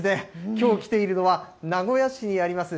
きょう来ているのは、名古屋市にあります